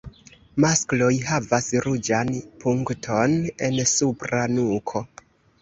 Maskloj havas ruĝan punkton en supra nuko.